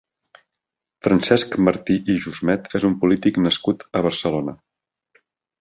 Francesc Martí i Jusmet és un polític nascut a Barcelona.